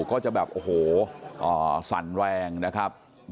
ก็จะแบบโอ้โหสั่นแรงนะครับ